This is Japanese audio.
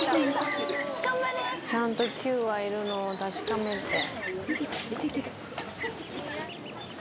ちゃんと９羽いるのを確かめて。